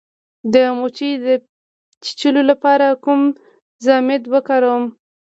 د مچۍ د چیچلو لپاره کوم ضماد وکاروم؟